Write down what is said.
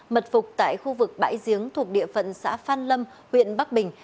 mật phục tại khu vực bãi giếng thuộc địa phận xã phan lâm huyện bắc bình